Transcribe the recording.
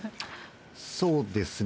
そうですね。